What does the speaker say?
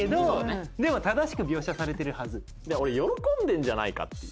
俺喜んでんじゃないかっていう。